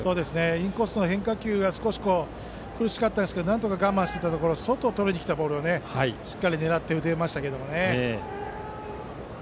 インコースの変化球が少し苦しかったですがなんとか我慢していたところ外をとりにきたボールをしっかり狙って打てましたね。